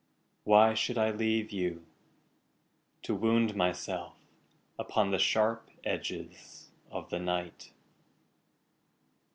Why should I leave you, To wound myself upon the sharp edges of the night?